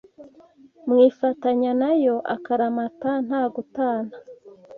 mwifatanya na yo akaramata nta gutana